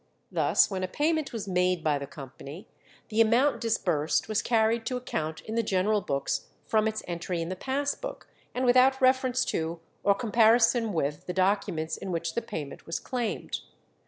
Thus, when a payment was made by the company, the amount disbursed was carried to account in the general books from its entry in the pass book, and without reference to or comparison with the documents in which the payment was claimed.